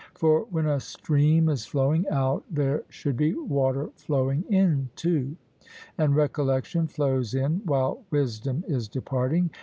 For when a stream is flowing out, there should be water flowing in too; and recollection flows in while wisdom is departing.